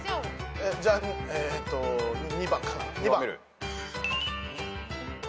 じゃあえっと２番。